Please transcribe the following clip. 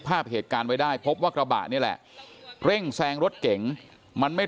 ภาพเหตุการณ์ไว้ได้พบว่ากระบะนี่แหละเร่งแซงรถเก๋งมันไม่